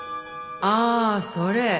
ああそれ？